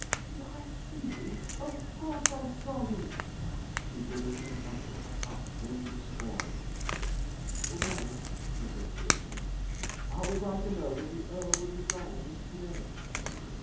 'Did I see you? Of course I saw you!' She withered him up with the hot wind of scorn. 'Well,' he said foolishly, 'how was I to know that the Earl would resign just to day?'